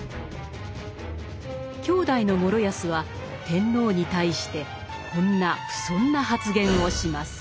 兄弟の師泰は天皇に対してこんな不遜な発言をします。